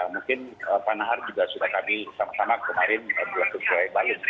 mungkin pak nahar juga sudah kami sama sama kemarin belum sesuai balik